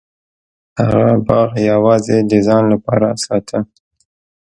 هغه باغ یوازې د ځان لپاره ساته.